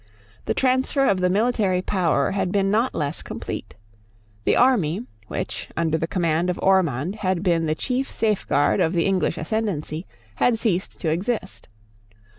The transfer of the military power had been not less complete. The army, which, under the command of Ormond, had been the chief safeguard of the English ascendency, had ceased to exist.